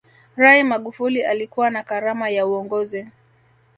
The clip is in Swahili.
rai magufuli alikuwa na karama ya uongozi